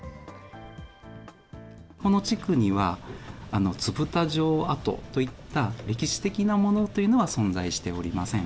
この地区には、津布田城跡といった歴史的なものというのは存在しておりません。